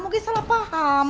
mungkin salah paham